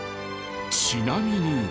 ちなみに。